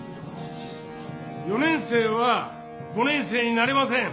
「４年生は５年生になれません。